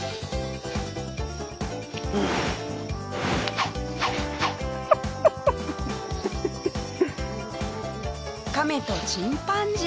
さらにカメとチンパンジー